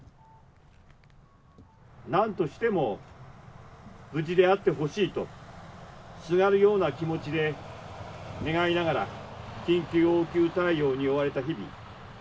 なんとしても無事であってほしいと、すがるような気持ちで願いながら、緊急応急対応に追われた日々。